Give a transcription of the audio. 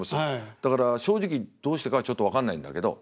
だから正直どうしてかはちょっと分かんないんだけど。